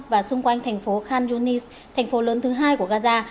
và xung quanh thành phố khan yunis thành phố lớn thứ hai của gaza